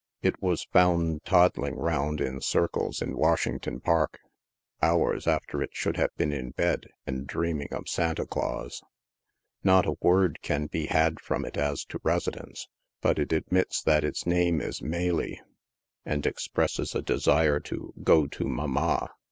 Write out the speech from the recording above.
It was found toddling round in circles in Wash ington Park, hours after it should have been in bed, and dreaming of Santa Glaus. Not a word can be had from it as to residence, but it admits that its name is " Melie," and expresses a desire to " go to mama."